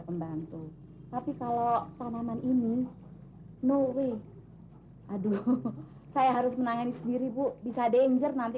pembantu tapi kalau tanaman ini no way aduh saya harus menangani sendiri bu bisa danger nanti